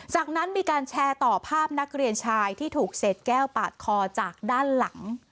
จากนั้นมีการแชร์ต่อภาพนักเรียนชายที่ถูกเศษแก้วปาดคอจากด้านหลัง